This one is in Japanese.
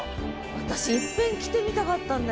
私いっぺん来てみたかったんだよ。